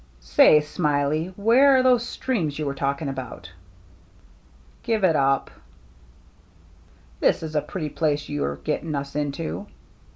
" Say, Smiley, where are those streams you were talking about ?" "Give it up." " This is a pretty place you're getting us into."